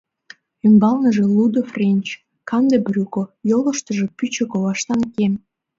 Ӱмбалныже — лудо френч, канде брюко, йолыштыжо — пӱчӧ коваштан кем.